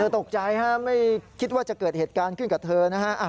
ตกใจฮะไม่คิดว่าจะเกิดเหตุการณ์ขึ้นกับเธอนะฮะ